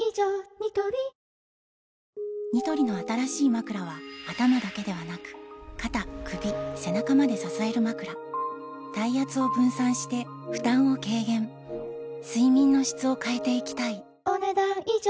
ニトリニトリの新しいまくらは頭だけではなく肩・首・背中まで支えるまくら体圧を分散して負担を軽減睡眠の質を変えていきたいお、ねだん以上。